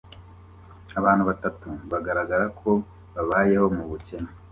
Abantu batatu bagaragara ko babayeho mubukene